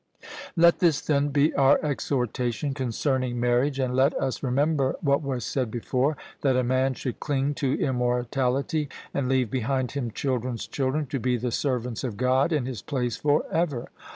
Let this then be our exhortation concerning marriage, and let us remember what was said before that a man should cling to immortality, and leave behind him children's children to be the servants of God in his place for ever.